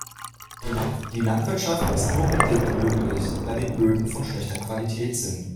Die Landwirtschaft ist nur bedingt möglich, da die Böden von schlechter Qualität sind.